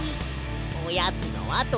おやつのあとでな！